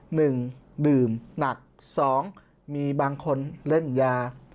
หนึ่งดื่มหนักสองมีบางคนเล่นยา